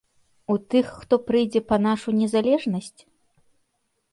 У тых, хто прыйдзе па нашу незалежнасць?